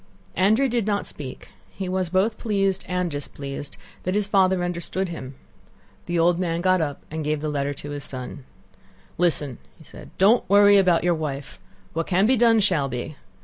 Andrew did not speak; he was both pleased and displeased that his father understood him. The old man got up and gave the letter to his son. "Listen!" said he; "don't worry about your wife: what can be done shall be.